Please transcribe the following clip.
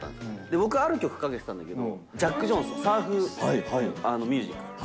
僕、ある曲かけてたんだけど、ジャック・ジョンソン、サーフミュージック。